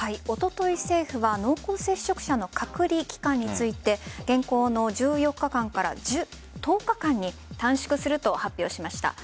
おととい、政府は濃厚接触者の隔離期間について現行の１４日間から１０日間に短縮すると発表しました。